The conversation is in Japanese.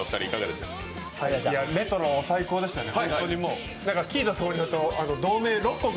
レトロ最高でしたね。